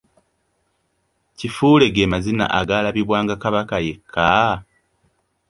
Kifule ge mazina agaalabibwanga Kabaka yekka?